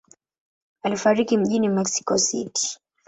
Alifariki mjini Mexico City.